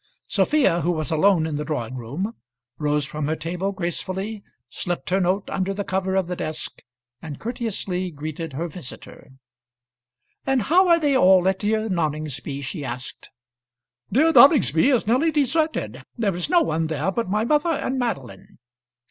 Sophia, who was alone in the drawing room, rose from her table, gracefully, slipped her note under the cover of the desk, and courteously greeted her visitor. "And how are they all at dear Noningsby?" she asked. [Illustration: "And how are they all at Noningsby?"] "Dear Noningsby is nearly deserted. There is no one there but my mother and Madeline."